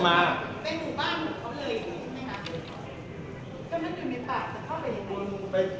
ก็มันคือมีภาพจะเข้าไปหรือเปล่า